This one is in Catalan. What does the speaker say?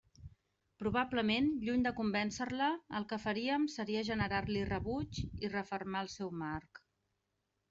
Probablement, lluny de convéncer-la el que faríem seria generar-li rebuig i refermar el seu marc.